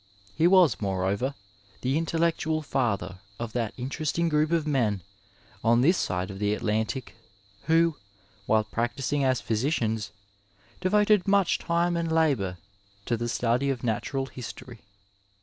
He was, moreover, the inteyectoal bther of that interesting group of men on this side of the Atlantic who, while practising as physicians, devoted much time and labour to the study of Natural Histoiry.